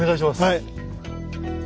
はい。